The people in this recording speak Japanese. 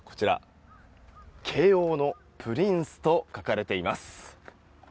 こちら、慶應のプリンスと書かれています。